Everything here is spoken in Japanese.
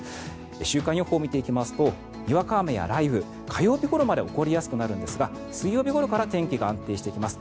週間予報を見ていきますとにわか雨や雷雨火曜日ごろまで起こりやすくなるんですが水曜日ごろから天気が安定します。